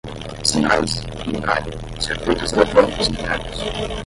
sinais, binário, circuitos eletrônicos internos